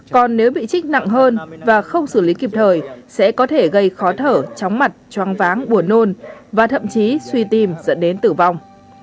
còn nếu bị trích nặng hơn và không xử lý kịp thời sẽ có thể gây khó thở chóng mặt choáng váng buồn nôn và thậm chí suy tim dẫn đến tử vong